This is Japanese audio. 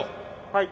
はい。